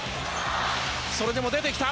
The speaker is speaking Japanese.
それでも出てきた。